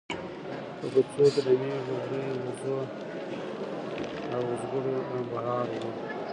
په کوڅو کې د مېږو، وريو، وزو او وزګړو رمبهار و.